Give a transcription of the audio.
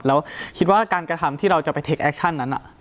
แล้วคิดว่าการกระทำที่เราจะไปเทคแอคชั่นนั้น